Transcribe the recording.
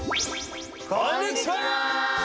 こんにちは！